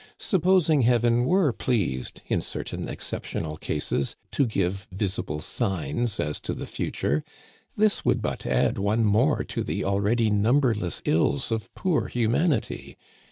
Supposing Heaven were pleased, in certain exceptional cases, to give visible signs as to the future, this would but add one more to the already numberless ills of poor humanity.